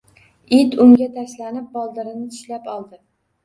It unga tashlanib boldirini tishlab oldi.